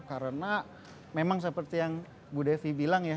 karena memang seperti yang bu devi bilang ya